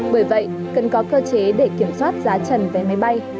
bởi vậy cần có cơ chế để kiểm soát giá trần vé máy bay